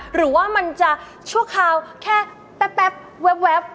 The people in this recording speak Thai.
หรือว่ามันจะชั่วคราวแค่แป๊บ